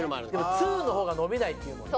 「２」の方が伸びないっていうもんね。